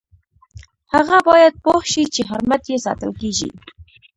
هغه باید پوه شي چې حرمت یې ساتل کیږي.